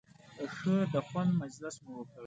ښه د خوند مجلس مو وکړ.